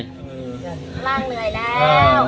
ล้างเหนื่อยแล้ว